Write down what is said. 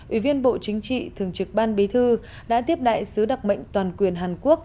ủy viên bộ chính trị thường trực ban bí thư đã tiếp đại sứ đặc mệnh toàn quyền hàn quốc